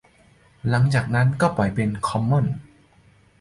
หลังจากนั้นก็ปล่อยเป็นคอมมอนส์